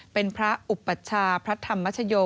เป็นพระอุปัชชาพระธรรมชโย